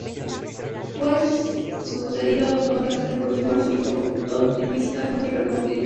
Fue sucedido automáticamente por su arzobispo coadjutor, el jesuita Jorge Bergoglio.